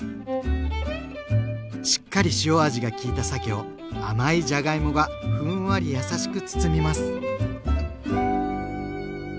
しっかり塩味がきいたさけを甘いじゃがいもがふんわり優しく包みます。